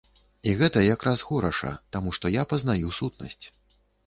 І гэта якраз хораша, таму што я пазнаю сутнасць.